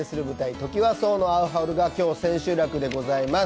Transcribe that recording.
「トキワ荘のアオハル」が今日、千秋楽でございます。